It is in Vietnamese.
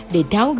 để tháo dựng